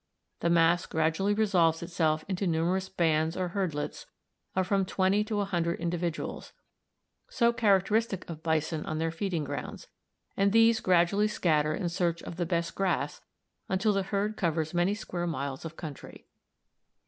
The mass gradually resolves itself into the numerous bands or herdlets of from twenty to a hundred individuals, so characteristic of bison on their feeding grounds, and these gradually scatter in search of the best grass until the herd covers many square miles of country.